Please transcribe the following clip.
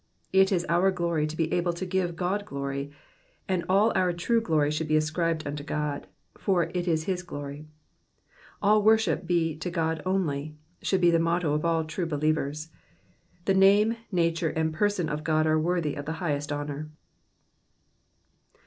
Digitized by VjOOQIC PSALM THE SIXTY SIXTH. 183 It is our glory to be able to give God glory ; and all our true glory should bo ascribed unto God, for it is his glory. All worship be to God only," should be the motto of all true believers. The name, nature, and person of God are worthy of the highest honour.